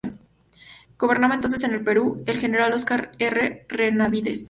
Gobernaba entonces en el Perú el general Óscar R. Benavides.